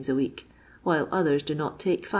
a week, while others do not take 5s.